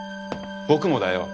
僕もだよ！